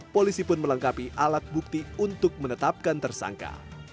polisi pun melengkapi alat bukti untuk menetapkan tersangka